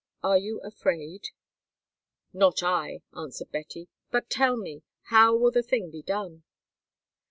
Are you afraid?" "Not I," answered Betty. "But tell me, how will the thing be done?"